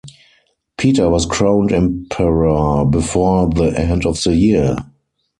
Peter was crowned emperor before the end of the year.